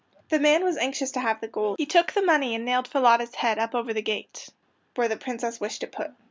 The man was anxious to have the gold. He took the money and nailed Falada's head up over the gateway where the Princess wished it put.